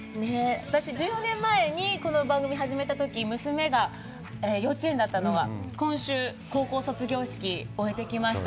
私１４年前にこの番組を始めたとき、娘が幼稚園だったのが、今週、高校の卒業式を終えてきました。